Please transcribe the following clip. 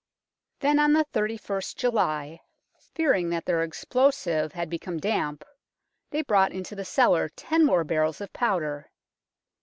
Then on the 3ist July, THE BAGA BE SECRETIS 165 fearing that their explosive had become damp, they brought into the cellar ten more barrels of powder.